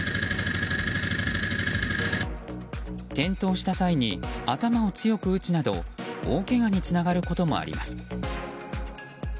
転倒した際に頭を強く打つなど大けがにつながることもあります。